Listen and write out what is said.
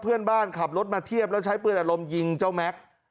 เพื่อนบ้านขับรถมาเทียบแล้วใช้ปืนอารมณ์ยิงเจ้าแม็กซ์